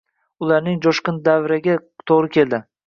Ularning joʻshqin davrga toʻgʻri keldi